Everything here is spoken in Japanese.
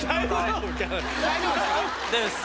大丈夫です。